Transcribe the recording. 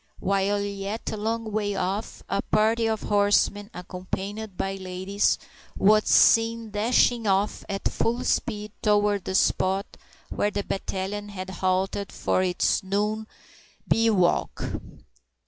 While yet a long way off, a party of horsemen, accompanied by ladies, was seen dashing off at full speed toward the spot where the battalion had halted for its noon bivouac.